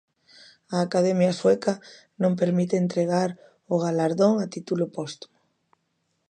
A Academia sueca non permite entregar o galardón a título póstumo.